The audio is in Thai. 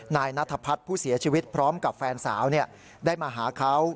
นายนัทพัฒน์ผู้เสียชีวิตพร้อมกับแฟนสาวได้มาหาเขา